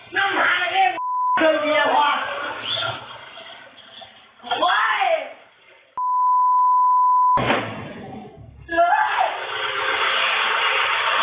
น้ำหาละเอ๊ะว้าว